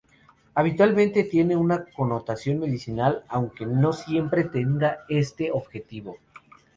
Habitualmente, tiene una connotación medicinal aunque no siempre tenga este objetivo.